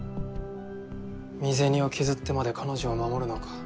身銭を削ってまで彼女を守るのかぁ。